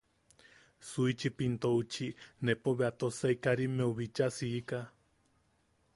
Suichipintuchi nepo bea Tosai Karimmeu bicha siika.